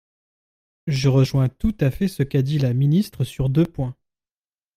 Je rejoins tout à fait ce qu’a dit la ministre sur deux points.